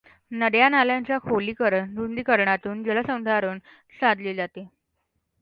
नद्यानाल्यांच्या खोलीकरण, रुंदीकरणातून जलसंधारण साधले जाते.